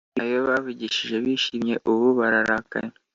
Ayo bavushije bishimye ubu bararakaye